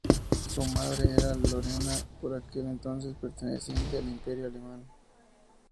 Su madre era de Lorena, por aquel entonces perteneciente al Imperio Alemán.